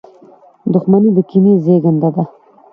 • دښمني د کینې زېږنده ده.